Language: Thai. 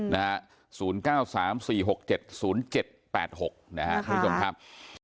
นะครับคุณผู้ชมครับ